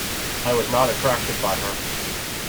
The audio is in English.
I was not attracted by her.